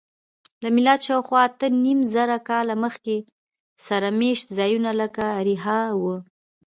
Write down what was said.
له میلاده شاوخوا اتهنیمزره کاله مخکې ستر میشت ځایونه لکه اریحا وو.